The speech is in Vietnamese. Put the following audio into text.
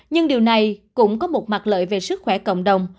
nhưng điều này cũng có một mặt lợi về sức khỏe cộng đồng